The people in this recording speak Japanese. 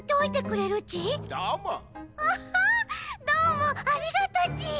どーもありがとち。